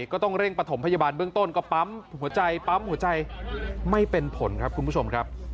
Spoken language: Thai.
ก็ต้องเร่งประถมพยาบาลเบื้องต้นก็ปั๊มหัวใจปั๊มหัวใจไม่เป็นผลครับคุณผู้ชมครับ